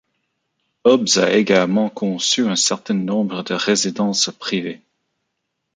Hobbs a également conçu un certain nombre de résidences privées.